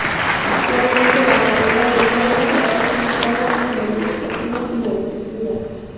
Actualmente la carrera de Sandra está centrada en la ilustración y la escritura.